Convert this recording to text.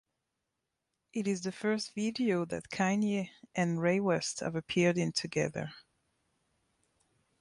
It is the first video that Kanye and Ray West have appeared in together.